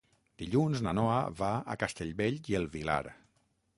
Dilluns na Noa va a Castellbell i el Vilar.